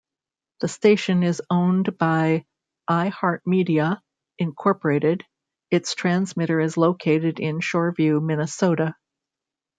The station is owned by iHeartMedia, Incorporated Its transmitter is located in Shoreview, Minnesota.